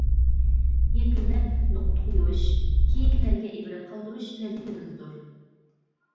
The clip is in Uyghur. يەكۈنلەپ نۇقتا قۇيۇش، كېيىنكىلەرگە ئىبرەت قالدۇرۇش ۋەزىپىمىزدۇر.